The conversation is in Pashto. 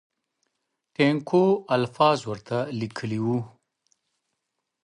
ټینګو الفاظو ورته لیکلي وو.